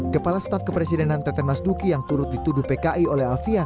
kepala staf kepresidenan teten mas duki yang turut dituduh pki oleh alfian